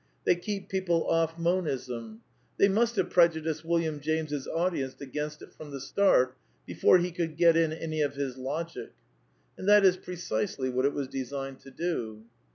They keep people off Monism. They must have prejudiced Wil liam James's audience against it from the start, before he could get in any of his logic. ^ And that is precisely what it was designed to do.